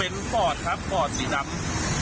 เป็นพอร์ตครับพอร์ตสีดำ